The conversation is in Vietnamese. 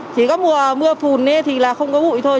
chỉ có mùa mưa phùn thì là không có bụi thôi